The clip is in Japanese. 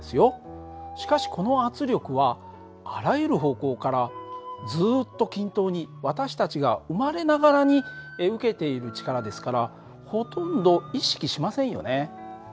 しかしこの圧力はあらゆる方向からずっと均等に私たちが生まれながらに受けている力ですからほとんど意識しませんよね。